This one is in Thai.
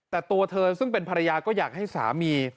แต่ตัวเธอซึ่งเป็นภรรยาก็อยากให้สามี